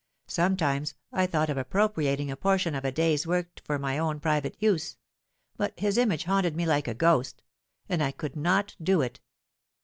Sometimes I thought of appropriating a portion of a 'day's work' to my own private use; but his image haunted me like a ghost—and I could not do it.